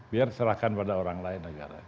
biar serahkan pada orang lain negara